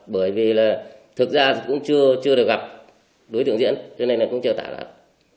bởi vì là thực ra cũng chưa được gặp đối tượng diễn cho nên là cũng chưa tạo được